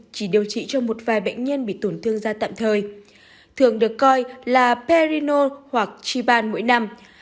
chỉ điều trị cho một vài bệnh nhân bị tổn thương da tạm thời thường được coi là parino hoặc chiban mỗi năm